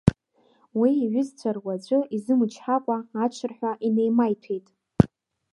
Уи иҩызцәа руаӡәы изымычҳакәа аҽырҳәа инеимеиҭәеит.